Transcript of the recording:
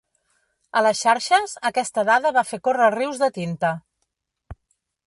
A les xarxes, aquesta dada va fer córrer rius de tinta.